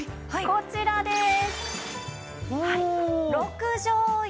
こちらです。